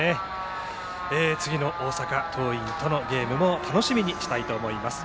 次の大阪桐蔭とのゲームも楽しみにしたいと思います。